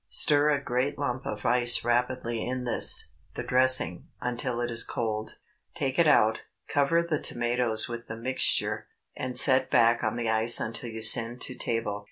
Stir a great lump of ice rapidly in this—the dressing—until it is cold; take it out, cover the tomatoes with the mixture, and set back on the ice until you send to table.